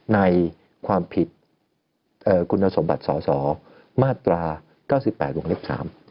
ในความผิดคุณสมบัติสอสอมาตรา๙๘วงเล็บ๓